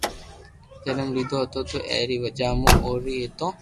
جنم لآدو ھتو اي ري وجھ مون اوري ايتو